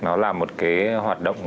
nó là một hoạt động